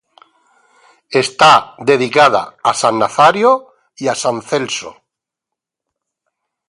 Está dedicada a San Nazario y a San Celso.